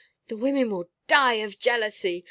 The women will die of jealousy.